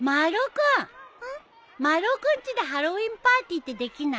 丸尾君ちでハロウィーンパーティーってできない？